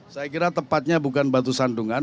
saya kira tepatnya bukan batu sandungan